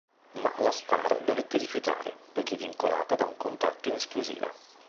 Ma la star dovette rifiutare, poiché vincolata da un contratto in esclusiva.